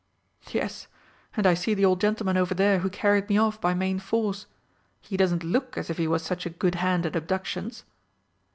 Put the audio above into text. "Yes, and I see the old gentleman over there who carried me off by main force. He doesn't look as if he was such a good hand at abductions!"